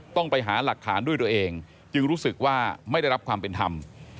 ต้องไปหาหลักฐานด้วยตัวเองจึงรู้สึกว่าไม่ได้รับความเป็นธรรม